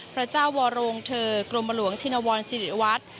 พระเจ้าวรงฤทธิ์กรมหลวงชินวัลศิลปิฏิวัตร